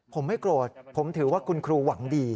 ผมไม่โกรธผมถือว่าคุณครูหวังดี